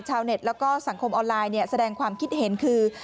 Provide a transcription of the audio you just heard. ชาวเน็ตแล้วก็สังคมออนไลน์แสดงความคิดเห็นคือ